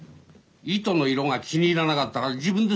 糸の色が気に入らなかったら自分で染めるんでしょ？